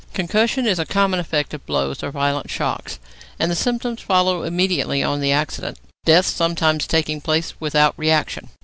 Concussion is a common effect of blows or violent shocks, and the symptoms follow immediately on the accident, death sometimes taking place without reaction.